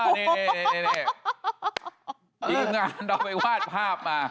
นี่ทีมงานเราไปวาดภาพมา